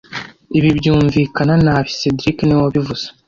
Ibi byumvikana nabi cedric niwe wabivuze